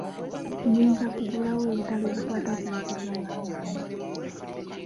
Nniza kugula wa ebitabo ebikwata ku nkuza y'abaana?